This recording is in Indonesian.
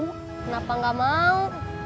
kenapa gak mau